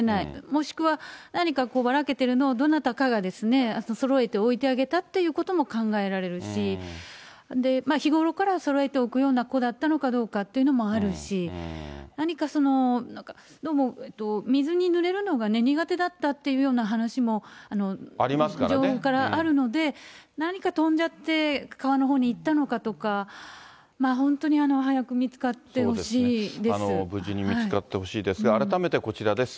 もしくは、何かばらけてるのを、どなたかがそろえておいてあげたということも考えられるし、日頃からそろえておくような子だったのかどうかというのもあるし、何か、どうも水にぬれるのがね、苦手だったというような話も、情報からあるので、何か飛んじゃって、川のほうに行ったのかとか、無事に見つかってほしいですが、改めてこちらです。